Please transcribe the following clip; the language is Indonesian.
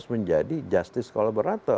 ini menang afin bagian dua ada